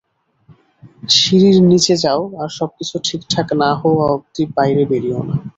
সিঁড়ির নিচে যাও আর সবকিছু ঠিকঠাক না হওয়া অব্ধি বাইরে বেরিয়ো না।